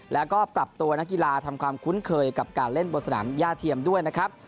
แล้วก็ปรับตัวนักกีฬาทำความคุ้นเคยกับการเล่นบนสนามย่าเทียมด้วยนะครับ